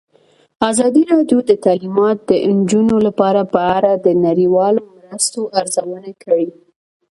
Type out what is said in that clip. ازادي راډیو د تعلیمات د نجونو لپاره په اړه د نړیوالو مرستو ارزونه کړې.